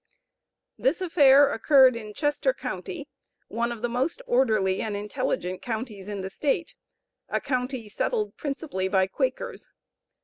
This affair occurred in Chester county, one of the most orderly and intelligent counties in the State, a county settled principally by Quakers.